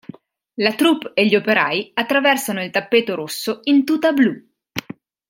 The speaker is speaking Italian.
La troupe e gli operai attraversano il tappeto rosso in tuta blu.